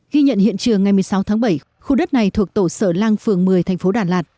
ghi nhận hiện trường ngày một mươi sáu tháng bảy khu đất này thuộc tổ sở lang phường một mươi thành phố đà lạt